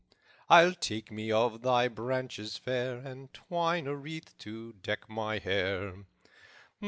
I'll take me of thy branches fair And twine a wreath to deck my hair.'